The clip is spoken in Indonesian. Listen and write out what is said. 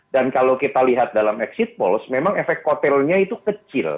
dan kalau kita lihat dalam exit polls memang efek kotelnya itu kecil